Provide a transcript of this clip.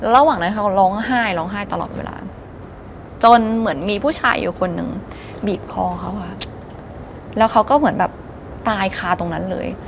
ระหว่างนั้นเขาก็ร้องไห้ร้องไห้ตลอดเวลาจนเหมือนมีผู้ชายอยู่คนหนึ่งบีบคอเขาค่ะแล้วเขาก็เหมือนแบบตายคาตรงนั้นเลย